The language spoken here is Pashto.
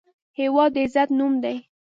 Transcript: هېواد د عزت نوم دی.